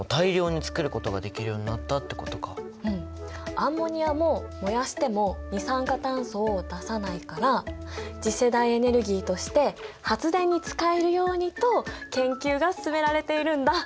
アンモニアも燃やしても二酸化炭素を出さないから次世代エネルギーとして発電に使えるようにと研究が進められているんだ。